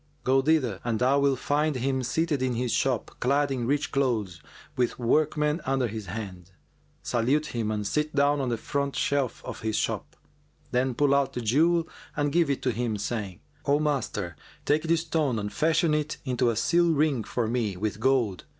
Go thither and thou wilt find him seated in his shop, clad in rich clothes, with workmen under his hand. Salute him and sit down on the front shelf of his shop;[FN#402] then pull out the jewel and give it to him, saying, 'O master, take this stone and fashion it into a seal ring for me with gold.